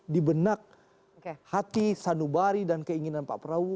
dibenak hati sanubari dan keinginan pak prabowo